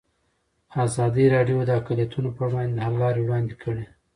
ازادي راډیو د اقلیتونه پر وړاندې د حل لارې وړاندې کړي.